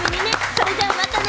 それじゃまたね！